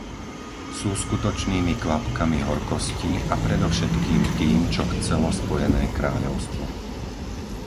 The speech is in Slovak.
Sú skutočnými kvapkami horkosti a predovšetkým tým, čo chcelo Spojené kráľovstvo.